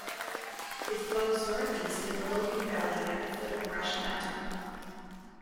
It flows northeast in the Logan Valley at the foot of Brush Mountain.